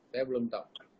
saya belum tahu